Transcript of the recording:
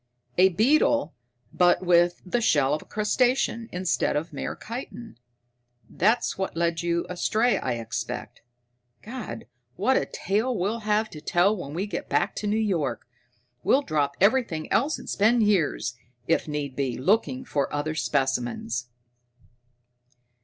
A beetle, but with the shell of a crustacean instead of mere chitin. That's what led you astray, I expect. God, what a tale we'll have to tell when we get back to New York! We'll drop everything else, and spend years, if need be, looking for other specimens."